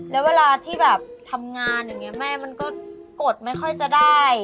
แล้วเวลาที่แบบทำงานอย่างนี้แม่มันก็กดไม่ค่อยจะได้